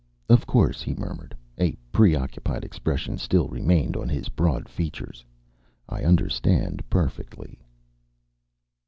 "Of course," he murmured. A preoccupied expression still remained on his broad features. "I understand perfectly."